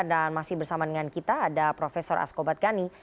dan masih bersama dengan kita ada profesor askobat ghani